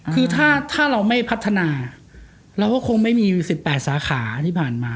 คือถ้าเราไม่พัฒนาเราก็คงไม่มี๑๘สาขาที่ผ่านมา